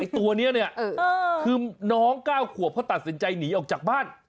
ตัวนี้เนี่ยคือน้อง๙ขวบเขาตัดสินใจหนีออกจากบ้าน